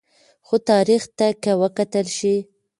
خو تاریخ ته که وکتل شي